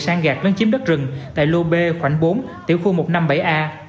sang gạp lấn chiếm đất rừng tại lô b khoảng bốn tiểu khu một trăm năm mươi bảy a